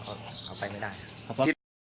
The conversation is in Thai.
เขาไปไม่ได้